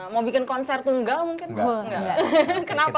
mau bikin konser tunggal mungkin kenapa